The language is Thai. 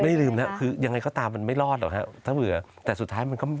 ลืมนะคือยังไงก็ตามมันไม่รอดหรอกฮะถ้าเผื่อแต่สุดท้ายมันก็